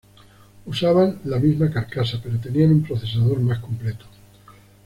Usaban la misma carcasa pero tenían un procesador más completo.